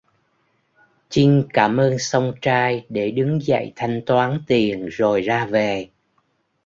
Chinh cảm ơn xong trai để đứng dậy thanh toán tiền rồi ra về